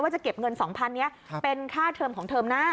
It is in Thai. ว่าจะเก็บเงิน๒๐๐๐บาทเป็นค่าเทอมของเทอมหน้า